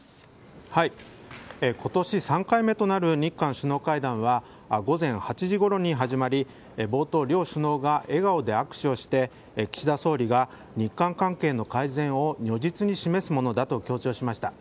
今年３回目となる日韓首脳会談は午前８時ごろに始まり冒頭、両首脳が笑顔で握手をして岸田総理が日韓関係の改善を如実に示すものだと強調しました。